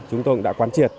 chúng tôi cũng đã quán triệt